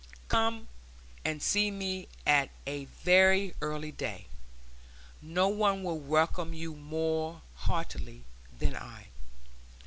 Come and see me at a very early day. No one will welcome you more heartily than I.